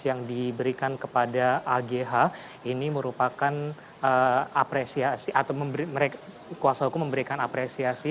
yang diberikan kepada agh ini merupakan apresiasi atau kuasa hukum memberikan apresiasi